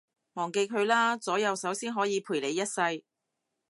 忘記佢啦，左右手先可以陪你一世